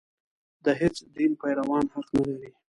د هېڅ دین پیروان حق نه لري.